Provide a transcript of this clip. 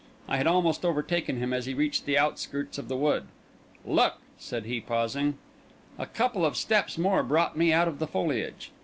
I had almost overtaken him as he reached the outskirts of the wood. "Look," said he, pausing. A couple of steps more brought me out of the foliage.